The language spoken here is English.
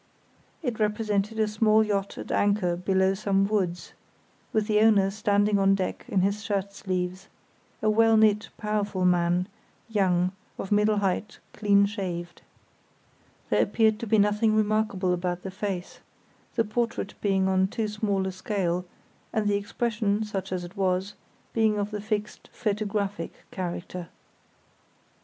It represented a small yacht at anchor below some woods, with the owner standing on deck in his shirt sleeves: a well knit, powerful man, young, of middle height, clean shaved. There appeared to be nothing remarkable about the face; the portrait being on too small a scale, and the expression, such as it was, being of the fixed "photographic" character.